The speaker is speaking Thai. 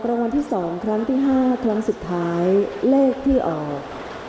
ออกรวมที่สองครั้งที่ห้าครั้งสุดท้ายเลขที่ออก